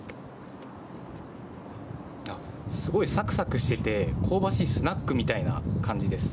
すごいさくさくしていて香ばしいスナックみたいな感じです。